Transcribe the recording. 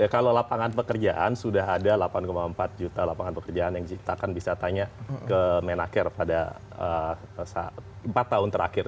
kalau lapangan pekerjaan sudah ada delapan empat juta lapangan pekerjaan yang diciptakan bisa tanya ke menaker pada empat tahun terakhir